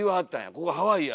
「ここハワイや」